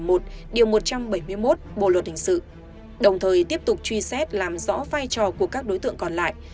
cơ quan cảnh sát điều một trăm bảy mươi một bộ luật hình sự đồng thời tiếp tục truy xét làm rõ vai trò của các đối tượng còn lại